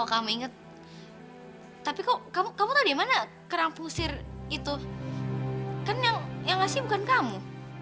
kenapa kerang pusir itu kan yang ngasih bukan kamu